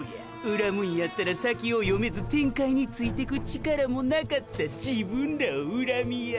恨むんやったら先を読めず展開についてく力もなかった自分らを恨みや。